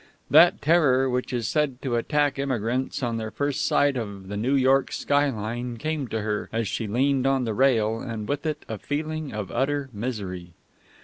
That terror which is said to attack immigrants on their first sight of the New York sky line came to her, as she leaned on the rail, and with it a feeling of utter misery.